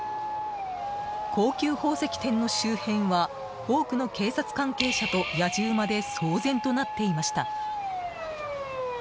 高級宝石店の周辺は多くの警察関係者とやじ馬で騒然となっていました。